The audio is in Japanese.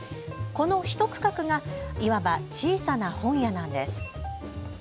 このひと区画がいわば小さな本屋なんです。